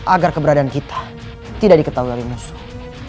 agar keberadaan kita tidak diketahui dari musuh